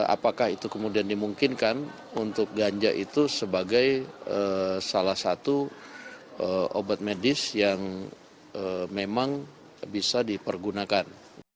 apakah itu kemudian dimungkinkan untuk ganja itu sebagai salah satu obat medis yang memang bisa dipergunakan